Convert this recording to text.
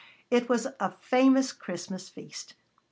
It was a famous Christmas feast.